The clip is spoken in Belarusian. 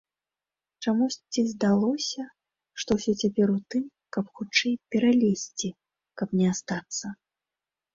Чамусьці здалося, што ўсё цяпер у тым, каб хутчэй пералезці, каб не астацца.